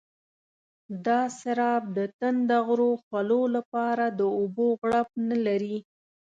دا سراب د تنده غرو خولو لپاره د اوبو غړپ نه لري.